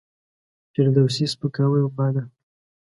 فردوسي سپکاوی باله.